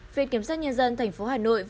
việc kiểm soát nhân dân tp hà nội vừa hồi hộp